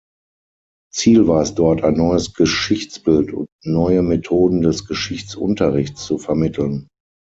Ziel war es dort, ein neues Geschichtsbild und neue Methoden des Geschichtsunterrichts zu vermitteln.